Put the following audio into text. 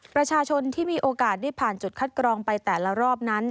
ประชาชนที่มีโอกาสได้ผ่านจุดคัดกรองไปแต่ละรอบนั้น